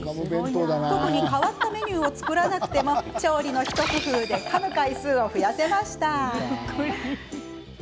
特に変わったメニューを作らなくても調理の一工夫で、かむ回数を増やせました。